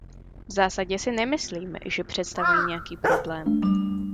V zásadě si nemyslím, že představují nějaký problém.